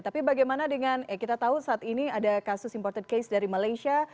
tapi bagaimana dengan kita tahu saat ini ada kasus imported case dari malaysia